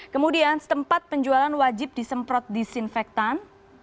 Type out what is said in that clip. kemudian setempat penjualan wajib disemprot disinfektan